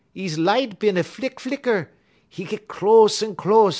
'E light bin a flick flicker; 'e git close un close.